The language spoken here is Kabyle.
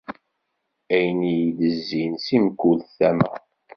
Ayen iyi-d-izzin si mkul tama.